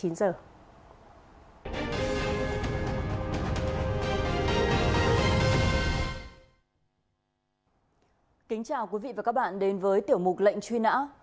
kính chào quý vị và các bạn đến với tiểu mục lệnh truy nã